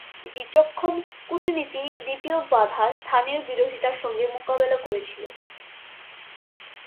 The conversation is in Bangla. বিচক্ষণ কূটনীতি দ্বিতীয় বাধা, স্থানীয় বিরোধিতার সঙ্গে মোকাবিলা করেছিল।